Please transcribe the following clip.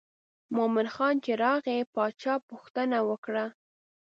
مومن خان چې راغی باچا پوښتنه وکړه.